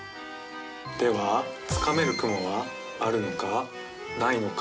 ではつかめる雲はあるのかないのか。